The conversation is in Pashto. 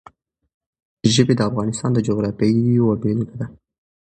ژبې د افغانستان د جغرافیې یوه بېلګه ده.